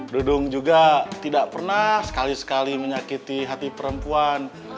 dudung juga tidak pernah sekali sekali menyakiti hati perempuan